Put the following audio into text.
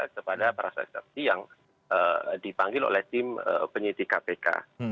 kepada para saksi saksi yang dipanggil oleh tim penyidik kpk